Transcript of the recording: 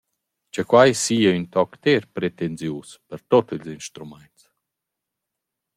Cha quai saja ün toc ter pretensius, per tuot ils instrumaints.